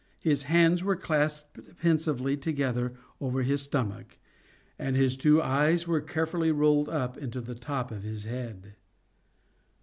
His hands were clasped pensively together over his stomach, and his two eyes were carefully rolled up into the top of his head.